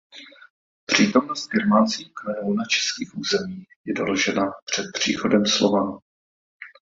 Přítomnost germánských kmenů na českých územích je doložená před příchodem Slovanů.